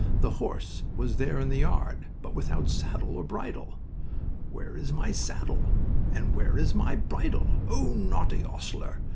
The horse was there in the yard, but without saddle or bridle. "'Where is my saddle and where is my bridle, oh, naughty 'ostler?'